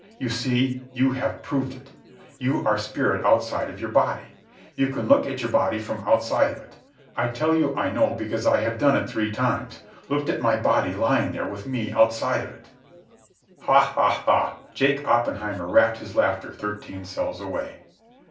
You see, you have proved it. You are spirit outside of your body. You can look at your body from outside of it. I tell you I know because I have done it three times—looked at my body lying there with me outside of it." "Ha! ha! ha!" Jake Oppenheimer rapped his laughter thirteen cells away.